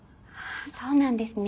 そうなんですね。